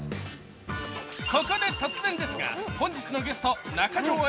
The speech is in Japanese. ここで突然ですが、本日のゲスト中条あ